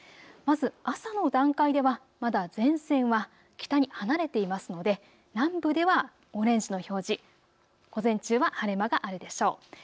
まず、朝の段階ではまだ前線は北に離れていますので南部ではオレンジの表示、午前中は晴れ間があるでしょう。